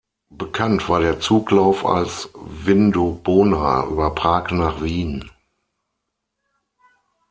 Bekannt war der Zuglauf als "Vindobona" über Prag nach Wien.